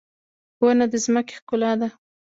• ونه د ځمکې ښکلا ده.